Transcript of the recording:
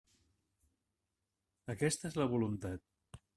Aquesta és la voluntat.